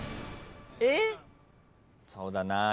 そうだな。